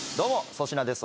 粗品です。